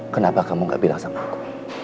kenapa kamu gak bilang sama aku